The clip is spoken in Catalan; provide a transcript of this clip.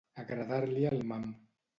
Agradar-li el mam.